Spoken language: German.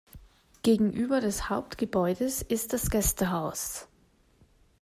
Gegenüber des Hauptgebäudes ist das Gästehaus.